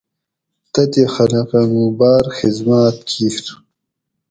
تتھیں خلقہ موں باۤر خزمات کِیر